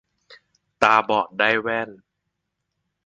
ตาบอดได้แว่น